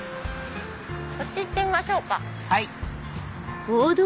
こっち行ってみましょうか。